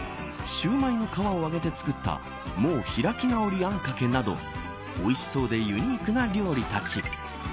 シューマイの皮を揚げて作ったもう開き直りあんかけ、などおいしそうでユニークな料理たち。